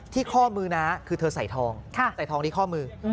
ข้อมือน้าคือเธอใส่ทองใส่ทองที่ข้อมือ